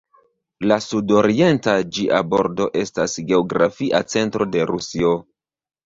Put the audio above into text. La sud-orienta ĝia bordo estas geografia centro de Rusio.